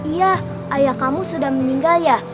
iya ayah kamu sudah meninggal ya